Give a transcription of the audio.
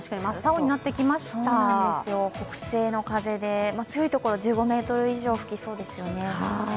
北西の風で、強いところは１５ｍ以上吹きそうですよね。